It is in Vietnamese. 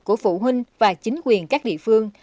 của phụ huynh và chính quyền các địa phương